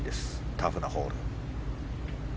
タフなホール。